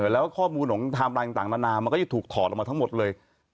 แล้วข้อมูลของไทม์ไลน์ต่างนานามันก็จะถูกถอดออกมาทั้งหมดเลย